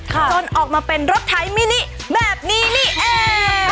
จนออกมาเป็นรถไถมินิแบบนี้นี่เอง